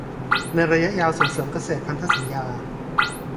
ในระยะยาวส่งเสริมเกษตรพันธสัญญา